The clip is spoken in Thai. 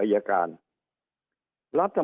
สุดท้ายก็ต้านไม่อยู่